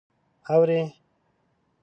_اورې؟